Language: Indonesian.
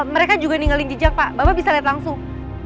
mereka juga ninggalin jejak pak bapak bisa lihat langsung